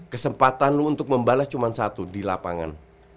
kesempatan lo untuk membalas cuma satu di lapangan